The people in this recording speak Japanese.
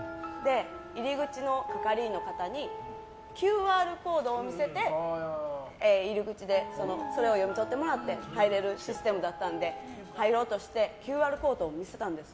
入口の係員の方にＱＲコードを見せて入り口でそれを読み取ってもらって入れるシステムだったので入ろうとしてＱＲコードを見せたんです。